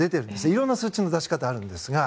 いろんな数値の出し方はあるんですが。